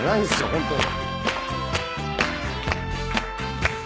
ホントに。